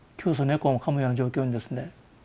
猫をかむような状況にですね。